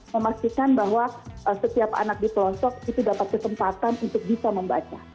memastikan bahwa setiap anak di pelosok itu dapat kesempatan untuk bisa membaca